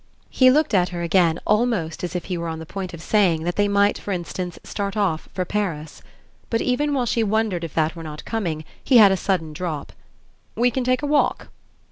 He looked at her again almost as if he were on the point of saying that they might for instance start off for Paris. But even while she wondered if that were not coming he had a sudden drop. "We can take a walk."